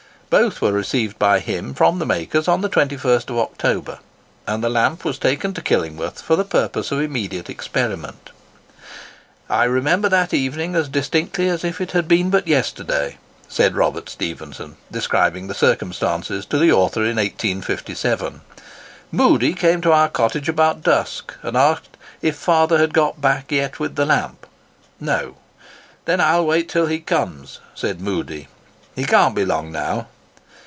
Both were received by him from the makers on the 21st October, and the lamp was taken to Killingworth for the purpose of immediate experiment. "I remember that evening as distinctly as if it had been but yesterday," said Robert Stephenson, describing the circumstances to the author in 1857: "Moodie came to our cottage about dusk, and asked, 'if father had got back yet with the lamp?' 'No.' 'Then I'll wait till he comes,' said Moodie, 'he can't be long now.